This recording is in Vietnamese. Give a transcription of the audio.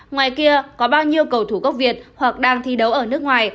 ngoài kia có bao nhiêu cầu thủ gốc việt hoặc đang thi đấu ở nước ngoài